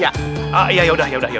sabar itu ada batasnya